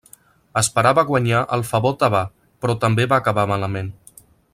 Esperava guanyar el favor tebà però també va acabar malament.